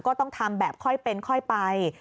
ก็ต้องทำแบบค่อยเป็นค่อยไป